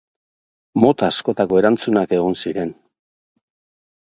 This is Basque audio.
Mota askotako erantzunak egon ziren.